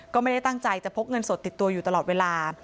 ก็ไม่ได้ตั้งใจจะพกเงินสดติดตัวอยู่ตลอดเวลา